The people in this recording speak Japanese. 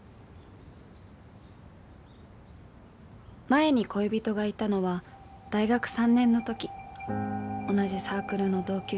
「前に恋人がいたのは大学３年の時、同じサークルの同級生。